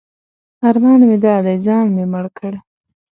ارمان مې دا دی ځان مې مړ کړ.